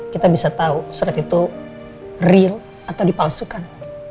kita bisa tahu surat itu real atau dipalsukan